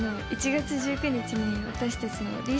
１月１９日に私たちの。